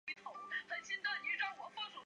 云岩区是贵阳市的经济强区之一。